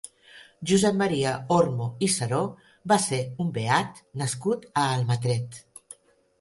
Josep Maria Ormo i Seró va ser un beat nascut a Almatret.